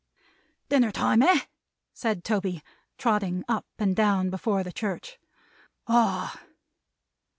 "Dinner time, eh!" said Toby, trotting up and down before the church. "Ah!"